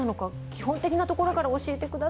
基本的なところから教えてください。